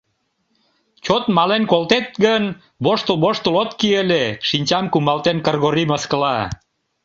— Чот мален колтет гын, воштыл-воштыл от кий ыле, — шинчам кумалтен, Кыргорий мыскыла.